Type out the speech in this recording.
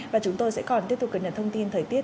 và chúng tôi sẽ còn tiếp tục cân nhận thông tin thời tiết